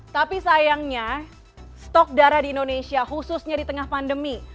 tapi sayangnya stok darah di indonesia khususnya di tengah pandemi